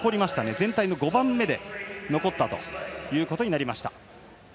全体の５番目で残ったということになりました。